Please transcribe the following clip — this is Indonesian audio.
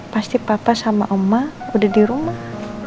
pasti papa sama omah udah di rumah